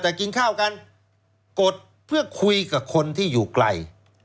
แต่กินข้าวกันกดเพื่อคุยกับคนที่อยู่ไกล